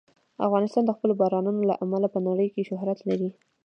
افغانستان د خپلو بارانونو له امله په نړۍ کې شهرت لري.